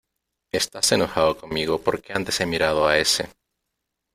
estás enojado conmigo porque antes he mirado a ése ...